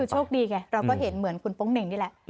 คือโชคดีแค่เราเห็นเหมือนคุณโป้งเน่งนี่แหละ